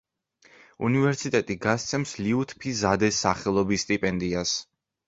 უნივერსიტეტი გასცემს ლიუთფი ზადეს სახელობის სტიპენდიას.